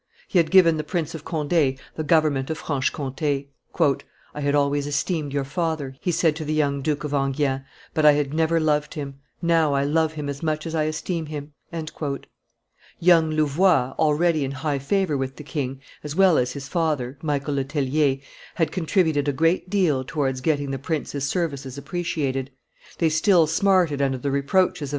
He had given the Prince of Conde the government of Franche Comte. "I had always esteemed your father," he said to the young Duke of Enghien, "but I had never loved him; now I love him as much as I esteem him." Young Louvois, already in high favor with the king, as well as his father, Michael Le Tellier, had contributed a great deal towards getting the prince's services appreciated; they still smarted under the reproaches of M.